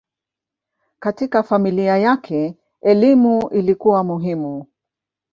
Katika familia yake elimu ilikuwa muhimu.